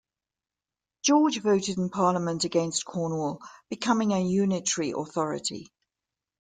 George voted in Parliament against Cornwall becoming a Unitary Authority.